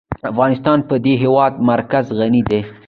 افغانستان په د هېواد مرکز غني دی.